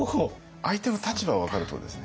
相手の立場を分かるってことですね。